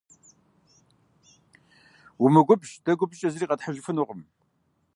Умыгубжь, дэ губжькӏэ зыри къэтхьыжыфынукъым.